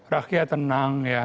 rakyat tenang ya